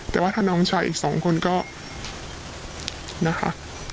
แต่ว่าถ้าน้องชายอีกสองคนก็นะคะ